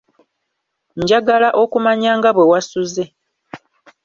Njagala okumanya nga bwe wasuze.